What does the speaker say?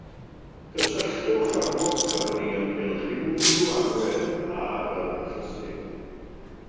Cysylltwch ar bob cyfri ynghylch unrhyw agwedd ar yr achlysur